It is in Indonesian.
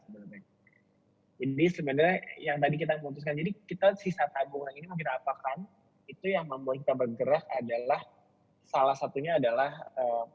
jadi sebenarnya yang tadi kita putuskan jadi kita sisa tabungan ini mengira apakah itu yang membuat kita bergerak adalah salah satunya adalah kesenangan dari pendidikan kita